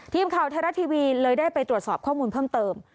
ทีมข่าวไทยรัฐทีวีเลยได้ไปตรวจสอบข้อมูลเพิ่มเติม